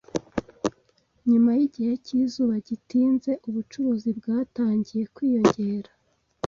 Nyuma yigihe cyizuba gitinze, ubucuruzi bwatangiye kwiyongera.